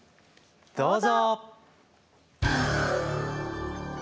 どうぞ。